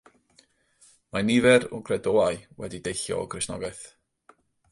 Mae nifer o gredoau wedi deillio o Gristnogaeth.